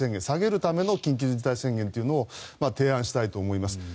下げるための緊急事態宣言というのを提案したいと思います。